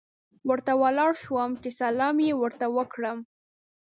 ورته ولاړ شوم چې سلام یې ورته وکړم.